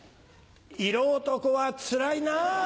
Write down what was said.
色男はつらいなぁ。